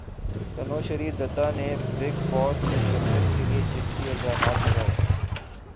تنوشری دتہ نے بگ باس میں شرکت کیلئے جنسی الزامات لگائے